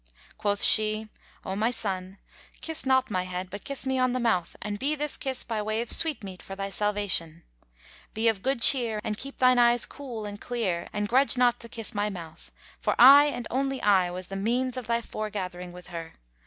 Quoth she, "O my son, kiss not my head, but kiss me on the mouth and be this kiss by way of sweetmeat for thy salvation.[FN#149] Be of good cheer and keep thine eyes cool and clear and grudge not to kiss my mouth, for I and only I was the means of thy foregathering with her.